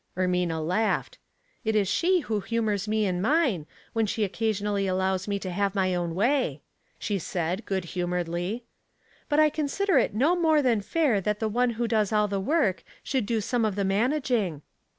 Ermina laughed. '^ It is she who humors me in mine, when she occasionally allows me to have my own way," she said, good humoredly. '' But I consider it no more than fair that the one who does all the work should do some of the managing.